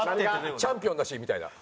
チャンピオンだしみたいな。